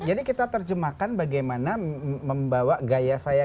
jadi kita terjemahkan bagaimana membawa gaya saya